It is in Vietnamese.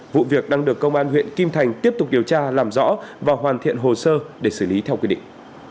vụ việc đang được công an huyện kim thành tiếp tục điều tra làm rõ và hoàn thiện hồ sơ để xử lý theo quy định